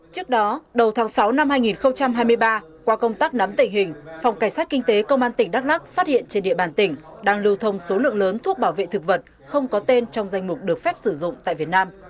trước đó đầu tháng sáu năm hai nghìn hai mươi ba qua công tác nắm tệ hình phòng cảnh sát kinh tế công an tỉnh đắk lắc phát hiện trên địa bàn tỉnh đang lưu thông số lượng lớn thuốc bảo vệ thực vật không có tên trong danh mục được phép sử dụng tại việt nam